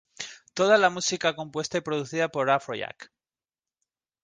Toda la música compuesta y producida por Afrojack.